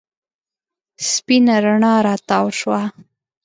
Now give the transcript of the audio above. سپېنه رڼا راتاو شوه.